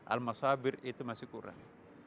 al mashabir itu masih kurang